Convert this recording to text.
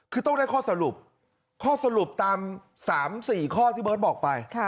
คือต้องได้ข้อสรุปข้อสรุปตาม๓๔ข้อที่เบิร์ตบอกไป